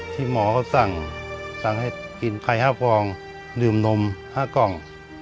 ที่หมอก็สั่งสั่งให้กินไพรห้าปองดื่มนมห้ากล้อง